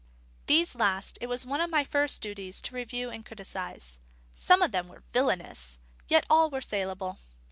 These last it was one of my first duties to review and criticise. Some of them were villainous, yet all were saleable.